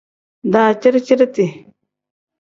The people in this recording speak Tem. Daciri-ciriti.